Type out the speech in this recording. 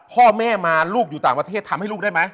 พ่อแม่มาลูกอยู่ต่างประเทศทำให้ลูกได้ไหม